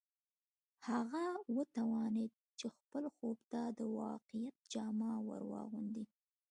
هغه وتوانېد چې خپل خوب ته د واقعیت جامه ور واغوندي